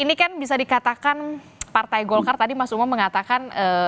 ini kan bisa dikatakan partai golkar tadi mas umam mengatakan